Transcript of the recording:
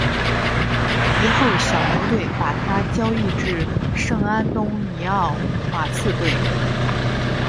及后小牛队把他交易至圣安东尼奥马刺队。